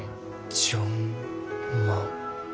「ジョン・マン」。